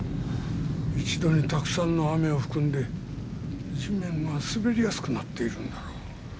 一度にたくさんの雨を含んで地面が滑りやすくなっているんだろう。